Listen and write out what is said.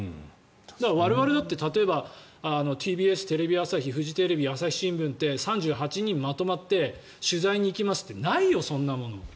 我々だって例えばＴＢＳ、テレビ朝日、フジテレビ朝日新聞って３８人まとまって取材に行きますってないよ、そんなもの。